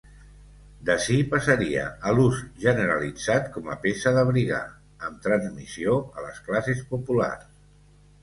D'ací passaria a l'ús generalitzat com a peça d'abrigar, amb transmissió a les classes populars.